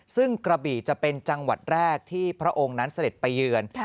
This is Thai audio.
ซึ่งกระบี่จะเป็นจังหวัดแรกที่พระองค์นั้นเสด็จไปเยือน